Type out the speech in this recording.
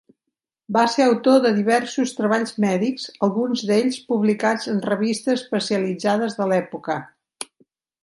Va ser autor de diversos treballs mèdics, alguns d'ells publicats en revistes especialitzades de l'època.